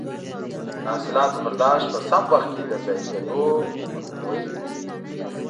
د حاصلاتو برداشت په سم وخت د ضایع کیدو مخنیوی کوي.